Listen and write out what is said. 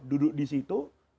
duduk di situ